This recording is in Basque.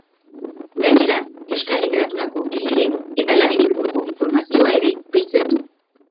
Gainera, euskal literaturako egile eta lanen inguruko informazioa ere biltzen du.